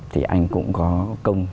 thì anh cũng có công